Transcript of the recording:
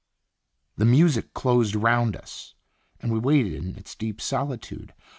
The music closed round us, and we waited in its deep solitude.